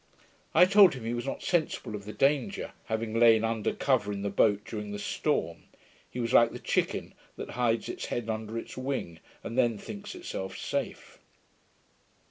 I told him, he was not sensible of the danger, having lain under cover in the boat during the storm: he was like the chicken, that hides its head under its wing, and then thinks itself safe.